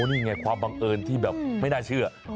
นี่ไงความบังเอิญที่แบบไม่น่าเชื่อ